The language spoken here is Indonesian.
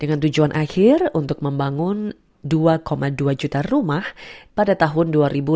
dengan tujuan akhir untuk membangun dua dua juta rumah pada tahun dua ribu lima puluh satu